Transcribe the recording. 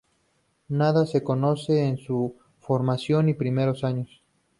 Nada se conoce de su formación y primeros años.